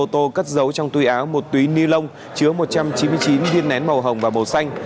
ô tô cất giấu trong túi áo một túi ni lông chứa một trăm chín mươi chín viên nén màu hồng và màu xanh